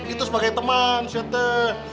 itu sebagai teman saya tuh